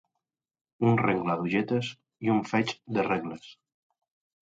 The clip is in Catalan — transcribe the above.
Un rengle d'olletes i un feix de regles.